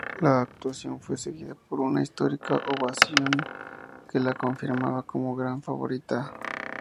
La actuación fue seguida por una histórica ovación que la confirmaba como gran favorita.